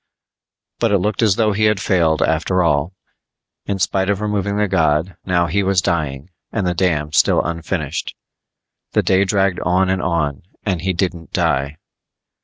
But it looked as though he had failed after all. In spite of removing the god, now he was dying and the dam still unfinished. The day dragged on and on and he didn't die.